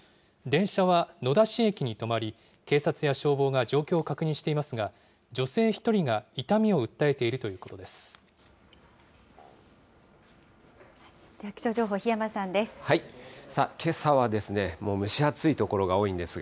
電車は野田市駅に止まり、警察や消防が状況を確認していますが、女性１人が痛みを訴えているということです。